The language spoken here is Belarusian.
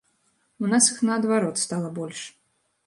У нас іх наадварот стала больш.